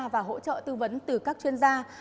và hỗ trợ tư vấn từ các chuyên gia